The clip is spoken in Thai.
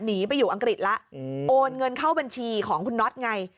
หนีไปอยู่อังกฤษแล้วโอนเงินเข้าบัญชีของคุณน็อตไง